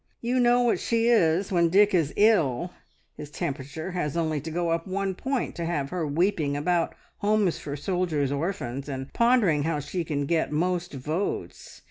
You know what she is when Dick is ill! His temperature has only to go up one point, to have her weeping about Homes for Soldiers' Orphans, and pondering how she can get most votes.